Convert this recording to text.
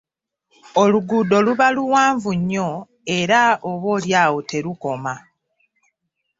Oluguudo luba luwanvu nnyo era oboolyawo terukoma.